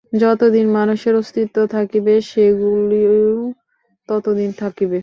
যতদিন মানুষের অস্তিত্ব থাকিবে, সেগুলিও ততদিন থাকিবে।